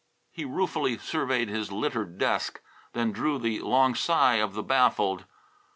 He ruefully surveyed his littered desk, then drew the long sigh of the baffled.